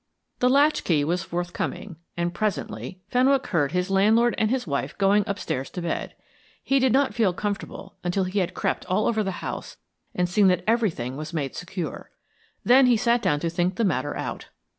The latchkey was forthcoming, and presently Fenwick heard his landlord and his wife going upstairs to bed. He did not feel comfortable until he had crept all over the house and seen that everything was made secure. Then he sat down to think the matter out.